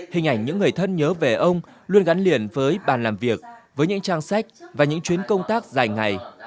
hình ảnh những người thân nhớ về ông luôn gắn liền với bàn làm việc với những trang sách và những chuyến công tác dài ngày